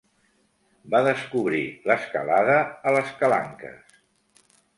Va descobrir l'escalada a les Calanques.